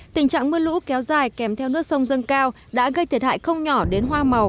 tình trạng mưa lũ kéo dài kèm theo nước sông dâng cao đã gây thiệt hại không nhỏ đến hoa màu